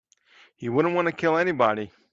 You wouldn't want to kill anybody.